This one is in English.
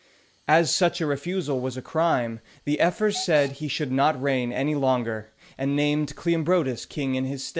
As such a refusal was a crime, the ephors said he should not reign any longer, and named Cleombrotus king in his stead.